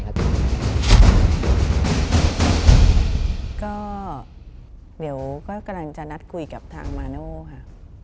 ก็เดี๋ยวกำลังจะนัดคุยกับทางมาโนค่ะ